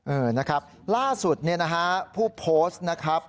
เออนะครับล่าสุดผู้โพสต์นะครับ